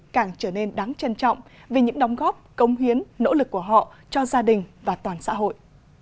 càng trở nên đáng trân trọng vì những đóng góp công hiến nỗ lực của họ cho gia đình và toàn xã hội